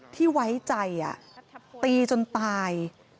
ที่ไว้ใจตีจนตาย